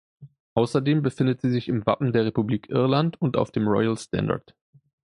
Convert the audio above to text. Außerdem befindet sie sich im Wappen der Republik Irland und auf dem Royal Standard.